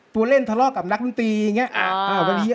ปูเล่นทะเลาะกับนักมิตรีอย่างเงี้ย